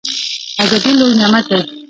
ازادي لوی نعمت دی